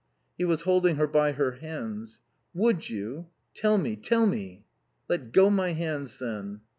He was holding her by her hands. "Would you? Tell me. Tell me." "Let go my hands, then."